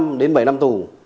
từ ba đến bảy năm tù